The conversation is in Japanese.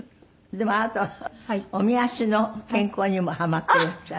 でもあなたはおみ足の健康にもハマっていらっしゃる。